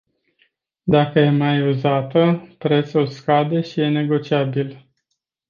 Dacă e mai uzată, prețul scade și e negociabil.